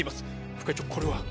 副会長これは。